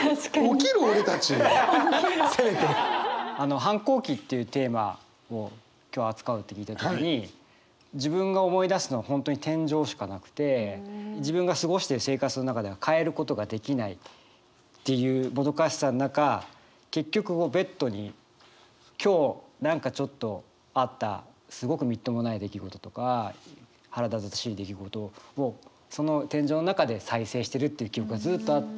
反抗期っていうテーマを今日扱うって聞いた時に自分が思い出すのは本当に天井しかなくて自分が過ごしてる生活の中では変えることができないっていうもどかしさの中結局ベッドに今日何かちょっとあったすごくみっともない出来事とか腹立たしい出来事をその天井の中で再生してるっていう記憶がずっとあって。